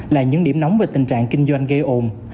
là những điểm nóng về tình trạng kinh doanh gây ồn